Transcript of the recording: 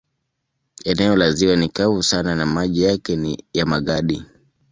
Eneo la ziwa ni kavu sana na maji yake ni ya magadi.